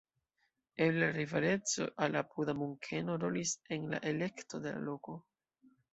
Eble la rivaleco al apuda Munkeno rolis en la elekto de la loko.